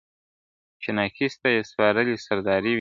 چي ناکس ته یې سپارلې سرداري وي ..